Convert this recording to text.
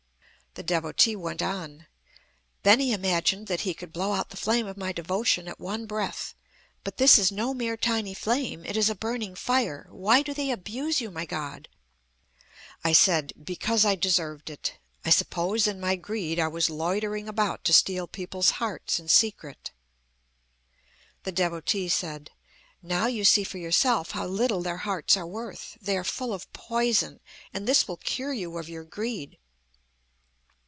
The Devotee went on: "Beni imagined that he could blow out the flame of my devotion at one breath! But this is no mere tiny flame: it is a burning fire. Why do they abuse you, my God?" I said: "Because I deserved it. I suppose in my greed I was loitering about to steal people's hearts in secret." The Devotee said: "Now you see for yourself how little their hearts are worth. They are full of poison, and this will cure you of your greed."